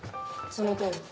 そのとおり。